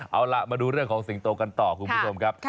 เอาล่ะมาดูเรื่องของสิงโตกันต่อคุณผู้ชมครับ